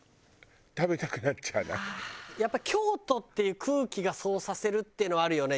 やっぱ京都っていう空気がそうさせるっていうのはあるよね。